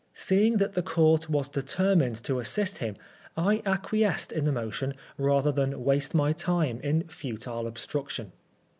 Seeing that the Court was determined to * assist him, I acquiesced in the motion rather than waste my time in futile obstruction.